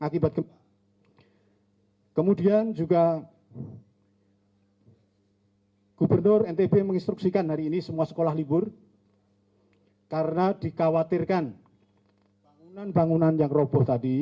akibat gempa kemudian juga gubernur ntb menginstruksikan hari ini semua sekolah libur karena dikhawatirkan bangunan bangunan yang roboh tadi